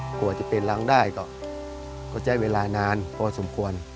กว่าจะเป็นรังได้ก็ใช้เวลานานพอสมควร